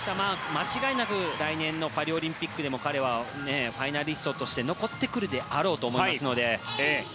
間違いなく来年のパリオリンピックでも彼はファイナリストとして残ってくるであろうと思いますので。